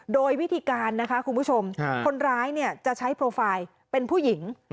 โดยวิธีการนะคะคุณผู้ชมคนร้ายจะใช้โปรไฟล์เป็นผู้หญิง